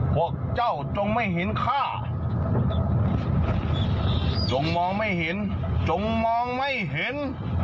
พวกเจ้าจงไม่เห็นค่าจงมองไม่เห็นจงมองไม่เห็น